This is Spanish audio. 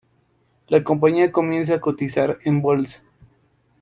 La compañía comienza a cotizar en bolsa.